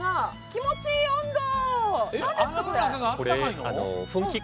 気持ちいい温度！